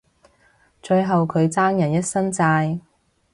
最後佢爭人一身債